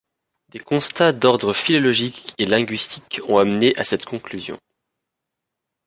Des constats d'ordre philologique et linguistique les ont amené à cette conclusion.